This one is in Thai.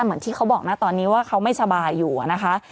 เหมือนที่เขาบอกนะตอนนี้ว่าเขาไม่สบายอยู่นะคะ